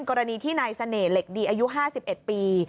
กรณีที่ในเสน่ห์เหล็กดีอายุ๕๑ปี